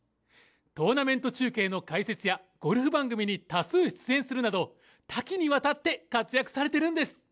トーナメント中継の解説やゴルフ番組に多数出演するなど、多岐にわたって活躍されているんです。